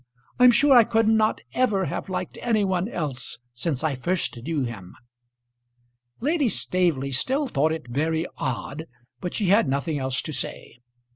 I'm sure I could not ever have liked any one else since I first knew him." Lady Staveley still thought it very odd, but she had nothing else to say.